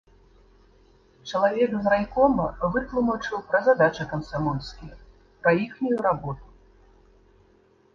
Чалавек з райкома вытлумачыў пра задачы камсамольскія, пра іхнюю работу.